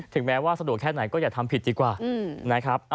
แม้ว่าสะดวกแค่ไหนก็อย่าทำผิดดีกว่านะครับ